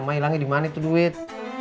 mak ilangnya di mana itu duit